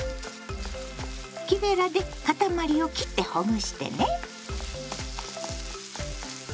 木べらでかたまりを切ってほぐしてね。